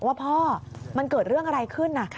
ว่าพ่อมันเกิดเรื่องอะไรขึ้น